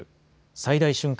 最大瞬間